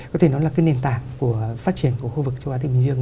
có thể nói là cái nền tảng của phát triển của khu vực châu á thái bình dương